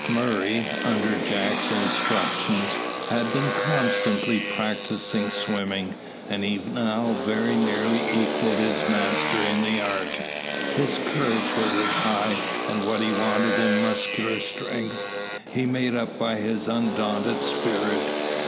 Murray, under Jack's instruction, had been constantly practising swimming, and he now very nearly equalled his master in the art. His courage was as high, and what he wanted in muscular strength he made up by his undaunted spirit.